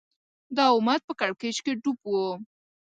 دا امت په کړکېچ ډوب و